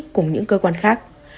cùng những cơ quan khác